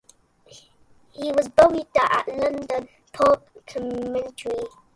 He was buried there at Loudon Park Cemetery.